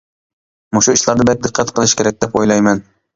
مۇشۇ ئىشلاردا بەك دىققەت قىلىشى كېرەك دەپ ئويلايمەن.